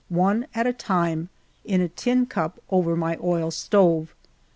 one at a time, in a tin cup over my oil stove.